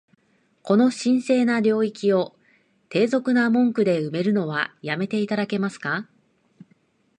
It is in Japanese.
この神聖な領域を、低俗な文句で埋めるのは止めて頂けますか？